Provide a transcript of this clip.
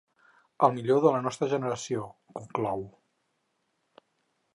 El millor de la nostra generació —conclou—.